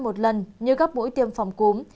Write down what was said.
một lần như các mũi tiêm phòng cúm